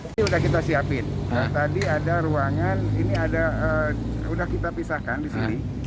ini sudah kita siapin tadi ada ruangan ini ada sudah kita pisahkan di sini